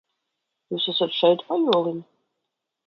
Jūs esat šeit, pajoliņi?